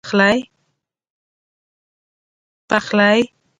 پخلی